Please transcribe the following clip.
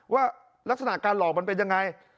ว่าลักษณะการหลอกมันเป็นยังไง